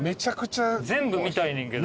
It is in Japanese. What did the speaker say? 全部見たいねんけど。